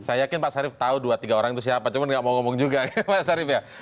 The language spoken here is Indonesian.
saya yakin pak sarif tahu dua tiga orang itu siapa cuma nggak mau ngomong juga ya pak sarif ya